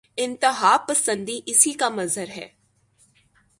انتہاپسندی اسی کا مظہر ہے۔